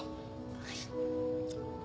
はい。